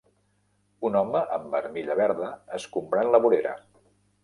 Un home amb armilla verda escombrant la vorera.